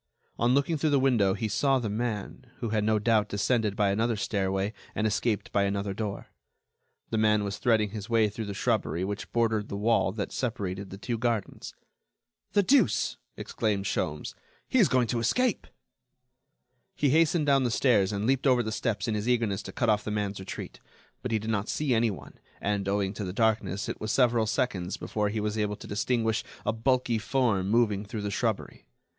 On looking through the window he saw the man, who had no doubt descended by another stairway and escaped by another door. The man was threading his way through the shrubbery which bordered the wall that separated the two gardens. "The deuce!" exclaimed Sholmes, "he is going to escape." He hastened down the stairs and leaped over the steps in his eagerness to cut off the man's retreat. But he did not see anyone, and, owing to the darkness, it was several seconds before he was able to distinguish a bulky form moving through the shrubbery.